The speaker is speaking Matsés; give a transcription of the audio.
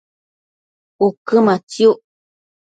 ëquë matsiuc